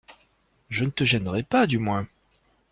Je ne te gênerai pas, du moins?